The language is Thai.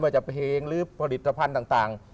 ไม่ว่าจะเพลงหรือผลิตภัณฑ์ต่าง